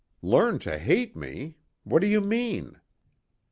"Learn to hate me! What do you mean?"